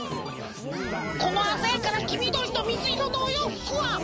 このあざやかなきみどりとみずいろのおようふくは。